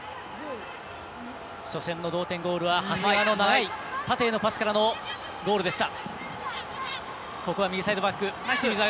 初戦の同点ゴールは長谷川の長い縦のパスからのゴールでした。